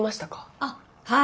あっはい